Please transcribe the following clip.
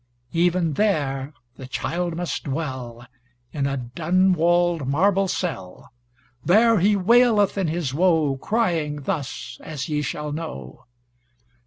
Even there the Childe must dwell In a dun walled marble cell. There he waileth in his woe Crying thus as ye shall know.